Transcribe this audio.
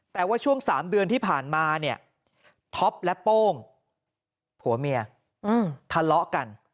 แต่ว่าช่วง๓เดือนที่ผ่านมาเนี่ยท็อปและโป้งผัวเมียทะเลาะกัน